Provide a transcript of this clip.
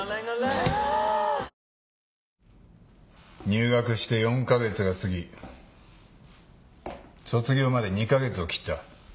ぷはーっ入学して４カ月が過ぎ卒業まで２カ月を切った。